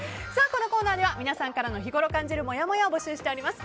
このコーナーでは皆さんの日ごろ感じるもやもやを募集しています。